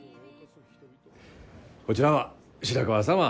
こちらは白川様。